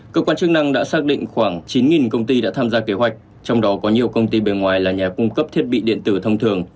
cơ quan chức năng đã xác định khoảng chín công ty đã tham gia kế hoạch trong đó có nhiều công ty bề ngoài là nhà cung cấp thiết bị điện tử thông thường